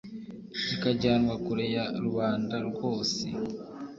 kikajyanwa kure ya rubanda rwose'.